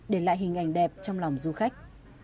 để lại hình ảnh đẹp trong lòng du khách